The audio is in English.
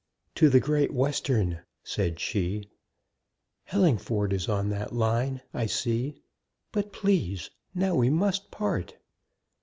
"To the Great Western," said she; "Hellingford is on that line, I see. But, please, now we must part."